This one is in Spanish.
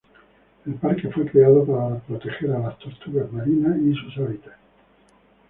El parque fue creado para proteger a las tortugas marinas y sus hábitats.